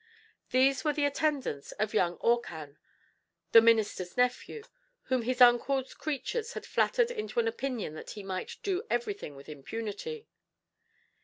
These were the attendants of young Orcan, the minister's nephew, whom his uncle's creatures had flattered into an opinion that he might do everything with impunity.